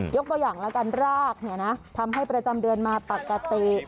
ยกตัวอย่างละกันรากทำให้ประจำเดือนมาปกติ